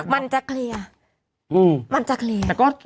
มันจะเคลียร์